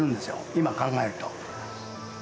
今考えると。